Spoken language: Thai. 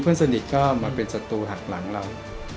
เพื่อนสนิทก็มาเป็นศัตรูหักหลังเรา